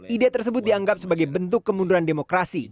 ide tersebut dianggap sebagai bentuk kemunduran demokrasi